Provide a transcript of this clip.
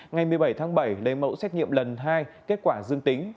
ngày một mươi bảy tháng bảy lấy mẫu xét nghiệm lần hai kết quả dương tính